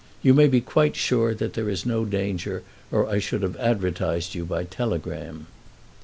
You may be quite sure that there is no danger or I should have advertised you by telegram.